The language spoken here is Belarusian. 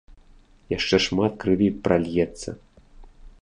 Яшчэ шмат крыві пральецца!